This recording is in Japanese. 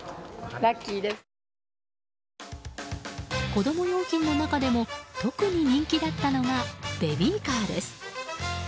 子供用品の中でも特に人気だったのがベビーカーです。